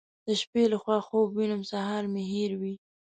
د شپې له خوا خوب وینم سهار مې هېروي.